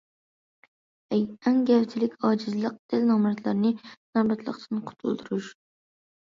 ئەڭ گەۋدىلىك ئاجىزلىق دەل نامراتلارنى نامراتلىقتىن قۇتۇلدۇرۇش.